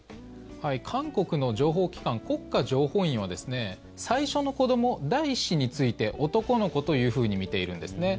韓国の情報機関国家情報院は最初の子ども、第１子について男の子というふうに見ているんですね。